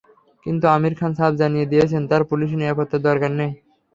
কিন্তু আমির খান সাফ জানিয়ে দিয়েছেন, তাঁর পুলিশি নিরাপত্তার দরকার নেই।